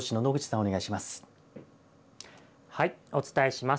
お伝えします。